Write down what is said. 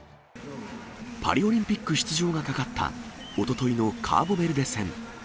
パリオリンピック出場がかかったおとといのカーボベルデ戦。